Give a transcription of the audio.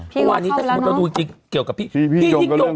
เมื่อวันนี้ถ้าสมมติเราดูเกี่ยวกับพี่ยิ่งยง